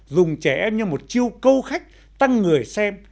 dùng trẻ em như một chiêu câu khách tăng người xem